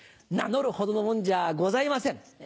「名乗るほどの者じゃあございません」。